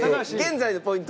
現在のポイント。